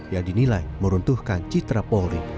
yang dinilai meruntuhkan citra polri